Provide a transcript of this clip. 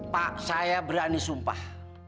pak saya berani sumpah